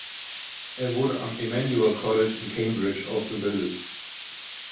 Er wurde am Emmanuel College in Cambridge ausgebildet.